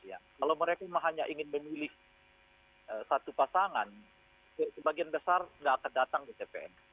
kalau mereka hanya ingin memilih satu pasangan sebagian besar nggak akan datang di tpn